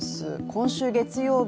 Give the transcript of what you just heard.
今週、月曜日